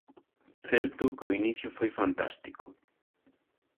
Certo que o inicio foi fantástico.